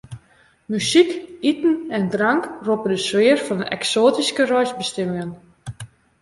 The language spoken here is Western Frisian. Muzyk, iten en drank roppe de sfear op fan eksoatyske reisbestimmingen.